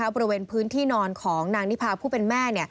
บริเวณพื้นที่นอนของนางนิพาผู้เป็นแม่